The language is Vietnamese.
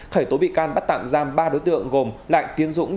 khởi tố bị can bắt tạm giam ba đối tượng gồm lại tiến dũng